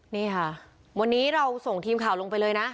นี่ค่ะวันนี้เราส่งทีมข่าวลงไปเลยนะ